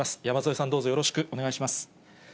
山添さん、どうぞよろしくお願いいたします。